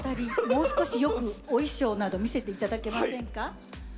もう少しよくお衣装など見せて頂けませんか？